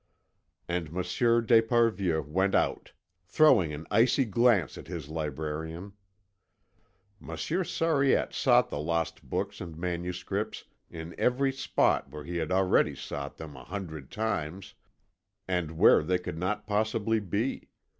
And Monsieur d'Esparvieu went out, throwing an icy glance at his librarian. Monsieur Sariette sought the lost books and manuscripts in every spot where he had already sought them a hundred times, and where they could not possibly be.